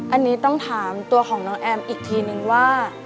อันนี้ต้องถามตัวของน้องแอมอีกทีนึงว่า